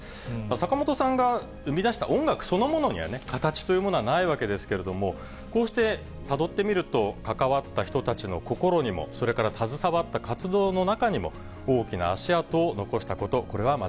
坂本さんが生み出した音楽そのものには形というものはないわけですけれども、こうしてたどってみると、関わった人たちの心にも、それから携わった活動の中にも大きな足跡を残したこと、これは間